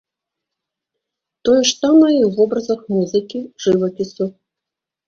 Тое ж самае і ў вобразах музыкі, жывапісу.